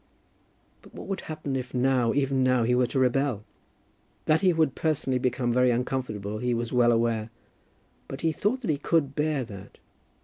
But what would happen if now, even now, he were to rebel? That he would personally become very uncomfortable, he was well aware, but he thought that he could bear that.